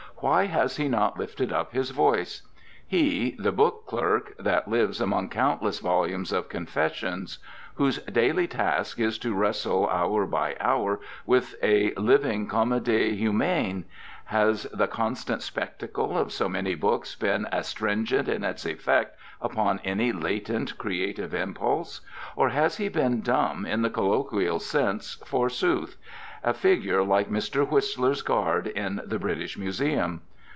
Why has he not lifted up his voice? He, the book clerk, that lives among countless volumes of confessions! Whose daily task is to wrestle hour by hour with a living Comedie Humaine! Has the constant spectacle of so many books been astringent in its effect upon any latent creative impulse? Or has he been dumb in the colloquial sense, forsooth; a figure like Mr. Whistler's guard in the British Museum?